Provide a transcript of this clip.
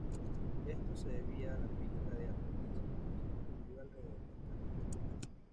Esto se debía a la pista de atletismo que se construyó alrededor del campo.